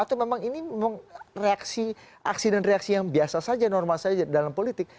atau memang ini reaksi aksi dan reaksi yang biasa saja normal saja dalam politik